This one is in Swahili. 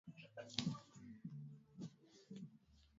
Wamasai wameitwa kutokana na lugha yao wenyewe